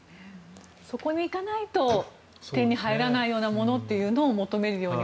そこに行かないと手に入らないようなものを求めるように。